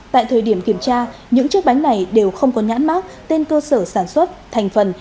tại thời điểm kiểm tra những chiếc bánh này đều không có nhãn mát tên cơ sở sản xuất thành phần